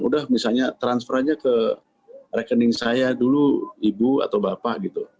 udah misalnya transfer aja ke rekening saya dulu ibu atau bapak gitu